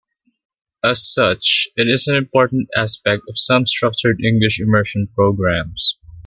As such, it is an important aspect of some structured English immersion programs.